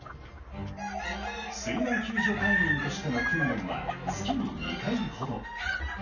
水難救助隊員としての訓練は月に２回ほど。